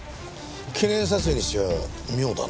記念撮影にしては妙だな。